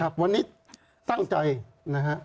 ครับวันนี้ตั้งใจนะครับ